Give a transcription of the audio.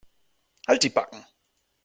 Halt die Backen.